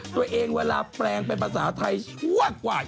เวลาแปลงเป็นภาษาไทยชั่วกว่า